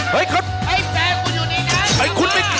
เฮ้ยแฟนกูอยู่นี่นะ